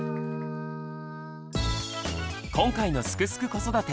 今回の「すくすく子育て」